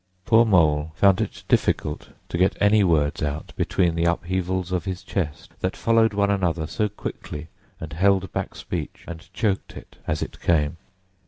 Poor Mole found it difficult to get any words out between the upheavals of his chest that followed one upon another so quickly and held back speech and choked it as it came.